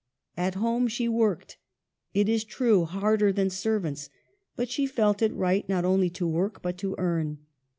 At home she worked, it is true, harder than servants ; but she felt it right not only to work, but to earn.